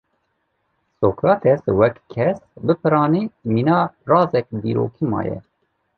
Sokrates wek kes bi piranî mîna razek dîrokî maye.